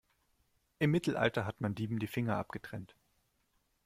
Im Mittelalter hat man Dieben die Finger abgetrennt.